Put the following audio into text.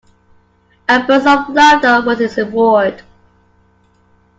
A burst of laughter was his reward.